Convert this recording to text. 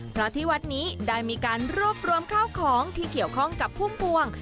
เพราะที่วัดนี้ได้มีการรวบรวมข้าวของที่เกี่ยวข้องกับพุ่มพวง